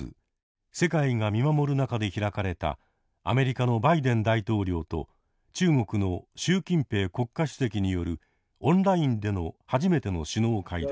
世界が見守る中で開かれたアメリカのバイデン大統領と中国の習近平国家主席によるオンラインでの初めての首脳会談。